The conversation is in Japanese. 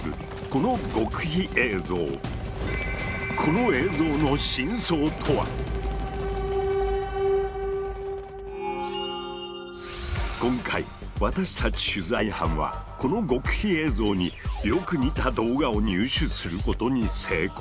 この映像の真相とは⁉今回私たち取材班はこの極秘映像によく似た動画を入手することに成功！